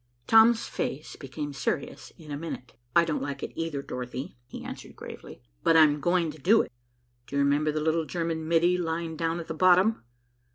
Tom's face became serious in a minute. "I don't like it either, Dorothy," he answered gravely, "but I'm going to do it. Do you remember the little German middy lying down at the bottom?